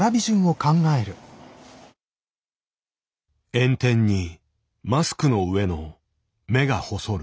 「炎天にマスクの上の目が細る」。